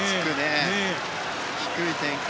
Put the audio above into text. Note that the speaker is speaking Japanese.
低い展開。